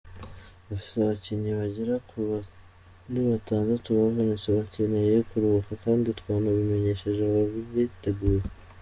Dufite abakinnyi bagera kuri batandatu bavunitse bakeneye kuruhuka kandi twanabimenyesheje abariteguye.